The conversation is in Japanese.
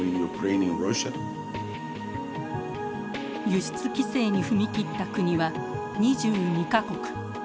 輸出規制に踏み切った国は２２か国。